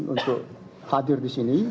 untuk hadir di sini